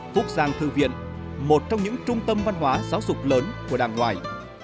trường lưu học là một trong những trung tâm văn hóa giáo dục lớn của đảng ngoài